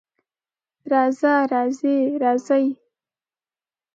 راځه، راځې، راځئ